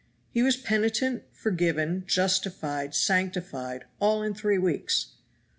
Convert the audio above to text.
He was penitent, forgiven, justified, sanctified, all in three weeks.